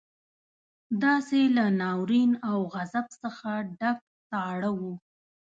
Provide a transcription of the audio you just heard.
داسې له ناورين او غضب څخه ډک ساړه وو.